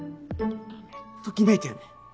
ときめいたよね？